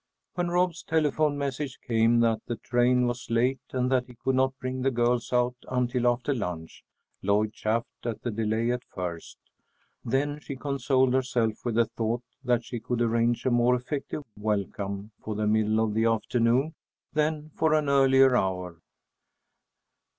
When Rob's telephone message came that the train was late and that he could not bring the girls out until after lunch, Lloyd chafed at the delay at first. Then she consoled herself with the thought that she could arrange a more effective welcome for the middle of the afternoon than for an earlier hour.